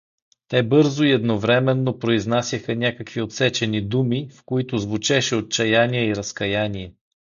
Те бързо и едновременно произнасяха някакви отсечени думи, в които звучеше отчаяние и разкаяние.